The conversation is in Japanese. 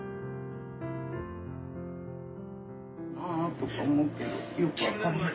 とか思うけどよく分かんない。